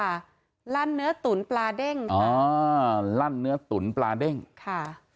ลั่นเนื้อตุ๋นปลาเด้งอ๋อลั่นเนื้อตุ๋นปลาเด้งค่ะ